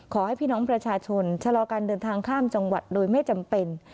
ขอให้พี่น้องประชาชนชะลอการเดินทางข้ามจังหวัดโดยไม่จำเป็น